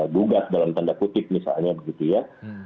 gugat dalam tanda kutip misalnya begitu ya